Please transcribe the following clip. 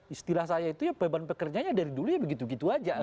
istilah saya itu ya beban pekerjanya dari dulu ya begitu begitu saja